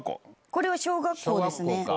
これは小学校ですね。